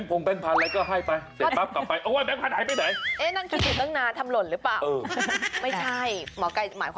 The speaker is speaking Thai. แต่ว่าวันนี้มี๑ท่านผู้โชคดี